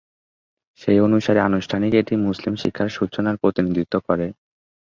সেই অনুসারে, আনুষ্ঠানিক এটি মুসলিম শিক্ষার সূচনার প্রতিনিধিত্ব করে।